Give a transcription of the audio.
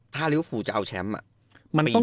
ถ้าริวฟูจะเอาแชมป์อ่ะ